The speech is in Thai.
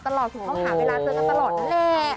เขาหาเวลาเจอกันตลอดแหละ